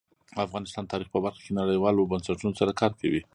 افغانستان د تاریخ په برخه کې نړیوالو بنسټونو سره کار کوي.